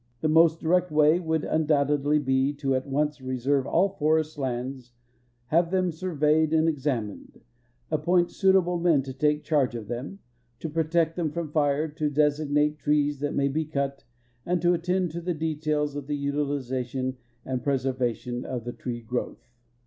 The most direct Avay would undouhtedly he to at once reserve all forest lands, have them surveyed and examined, appoint suitahle men to take charge of them, to protect them from lire, to designate trees that may be cut, and to attend to the details of the utiliza tion and preservation of the tree growth.